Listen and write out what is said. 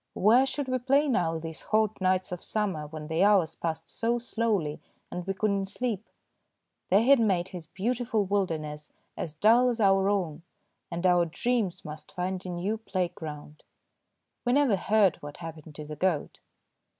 Where should we play now these hot nights of summer when the hours passed so slowly and we could not sleep? They had made his beautiful wilderness as dull as our own, and our dreams must find a new playground. We never heard what happened to the goat.